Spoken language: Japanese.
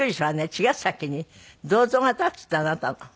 茅ヶ崎に銅像が建つってあなたの。